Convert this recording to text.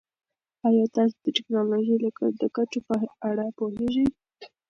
ایا تاسو د ټکنالوژۍ د ګټو په اړه پوهېږئ؟